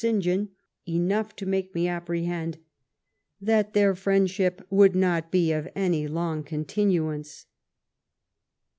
John; enough to make me apprehend, that their friendship would not be of any long continuance."